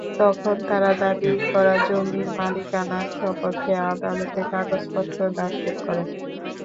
তখন তারা দাবি করা জমির মালিকানার সপক্ষে আদালতে কাগজপত্র দাখিল করে।